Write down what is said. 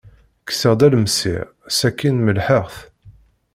Kkseɣ-d alemsir, sakin melḥeɣ-t.